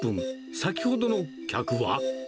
先ほどの客は。